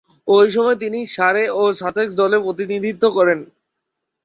ঐ সময়ে তিনি সারে ও সাসেক্স দলের প্রতিনিধিত্ব করেন।